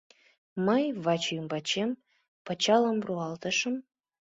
Мый вачӱмбачем пычалым руалтышым.